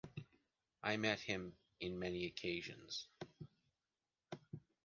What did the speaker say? I’ve met him in many occasions.